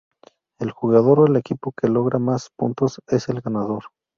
El jugador o el equipo que logra más puntos es el ganador.